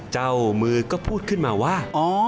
เจ้ามือก็พูดขึ้นมาว่า